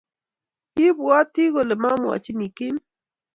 Kibwooti kole mamwochini Kim?